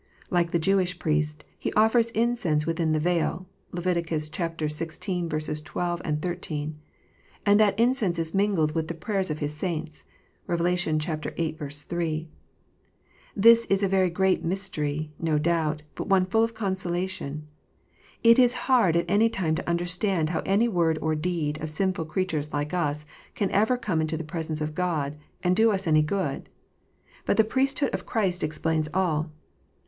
Like the Jewish Priest, He offers incense within the veil (Lev. xvi. 12, 13), and that incense is mingled with the prayers of His saints. (Rev. viii. 3.) This is a great mystery, no doubt, but one full of consolation. It is hard at any time to understand how any word or deed of sinful creatures like us can ever come into the presence of God, and do us any good. But the Priest hood of Christ explains all.